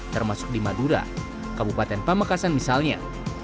termasuk di madura kabupaten pamekasan misalnya